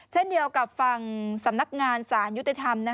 เช่นเดียวกับฝั่งสำนักงานสารยุติธรรม